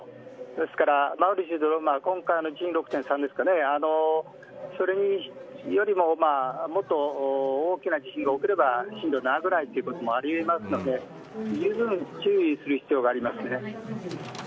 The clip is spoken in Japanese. ですからマグニチュード今回よりももっと大きな地震が起きれば震度７ぐらいということもありえますのでじゅうぶん注意する必要がありますね。